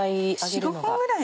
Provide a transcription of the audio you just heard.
４５分ぐらい。